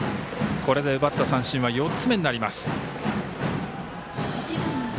これで奪った三振は４つ目になります。